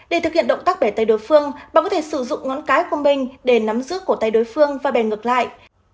để thực hiện động tác bẻ tay đối phương bạn có thể sử dụng ngón cái của mình để nắm giữ cổ tay đối phương và bèn ngược lại